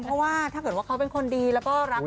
เพราะว่าถ้าเกิดว่าเขาเป็นคนดีแล้วก็รัก